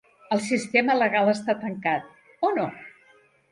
El sistema legal està tancat, o no?